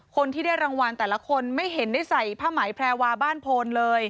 คนที่ได้รางวัลแต่ละคนไม่เห็นได้ใส่ผ้าไหมแพรวาบ้านโพนเลย